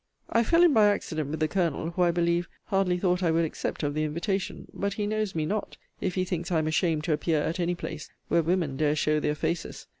I fell in by accident with the Colonel, who I believe, hardly thought I would accept of the invitation. But he knows me not, if he thinks I am ashamed to appear at any place, where women dare show their faces.